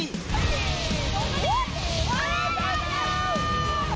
ขอบคุณครับ